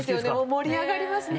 盛り上がりますね。